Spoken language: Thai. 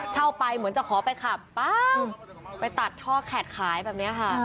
เข้าไปเหมือนจะขอไปขับปั้งไปตัดท่อแขกขายแบบนี้ค่ะ